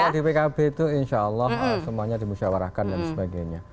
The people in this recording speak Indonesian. di pkb itu insya allah semuanya dimusyawarahkan dan sebagainya